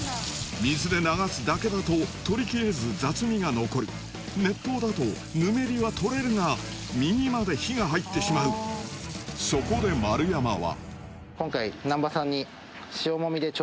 水で流すだけだと取りきれず雑味が残る熱湯だとぬめりは取れるが身にまで火が入ってしまうそこで丸山は今回。